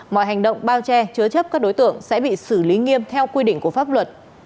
mọi hành động bao che chứa chấp các đối tượng sẽ bị xử lý nghiêm theo quy định của pháp luật